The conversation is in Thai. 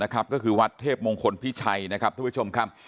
ก็คือวัดเทพมงคลพิชัยทุกผู้ชมครับ